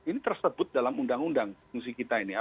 ini tersebut dalam undang undang fungsi kita ini ya